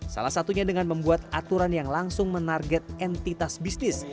salah satunya dengan membuat aturan yang langsung menarget entitas bisnis